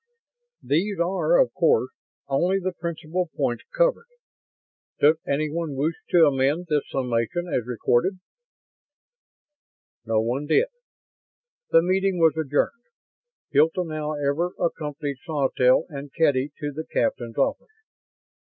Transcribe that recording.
"These are, of course, only the principal points covered. Does anyone wish to amend this summation as recorded?" No one did. The meeting was adjourned. Hilton, however, accompanied Sawtelle and Kedy to the captain's office.